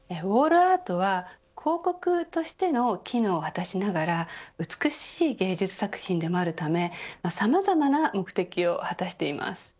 アートは広告としての機能を果たしながら美しい芸術作品でもあるためさまざまな目的を果たしています。